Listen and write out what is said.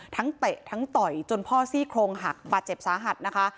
เตะทั้งต่อยจนพ่อซี่โครงหักบาดเจ็บสาหัสนะคะ